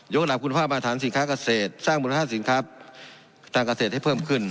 หลักคุณภาพมาฐานสินค้าเกษตรสร้างมูลค่าสินค้าทางเกษตรให้เพิ่มขึ้น